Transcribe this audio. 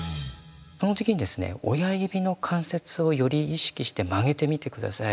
その時にですね親指の関節をより意識して曲げてみて下さい。